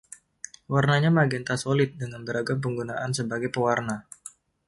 Warnanya magenta solid dengan beragam penggunaan sebagai pewarna.